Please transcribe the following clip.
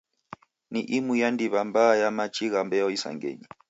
Ni imu ya ndiw'a mbaa ya machi gha mbeo isangenyi.